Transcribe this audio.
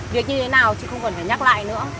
việc như thế nào chị không cần phải nhắc lại nữa